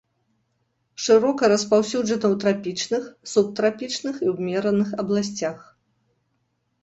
Шырока распаўсюджана ў трапічных, субтрапічных і ўмераных абласцях.